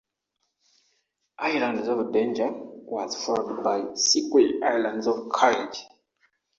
"Islands of Danger" was followed by a sequel, "Islands of Courage".